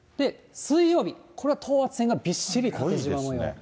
水曜日、これは等圧線がびっしり縦じま模様。